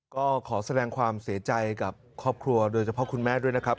ก็ขอแสดงความเสียใจกับครอบครัวโดยเฉพาะคุณแม่ด้วยนะครับ